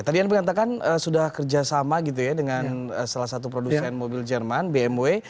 tadi anda katakan sudah kerjasama gitu ya dengan salah satu produsen mobil jerman bmw